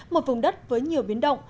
một vùng đất với nhiều biến động